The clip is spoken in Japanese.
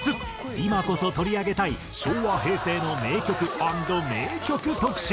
今こそ取り上げたい昭和・平成の名曲＆迷曲特集！